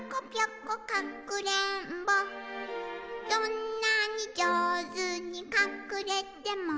「どんなにじょうずにかくれても」